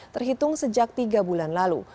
terhitung sejak tiga bulan lalu